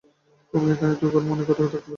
কুমু, এখানেই তোর ঘর মনে করে থাকতে পারবি?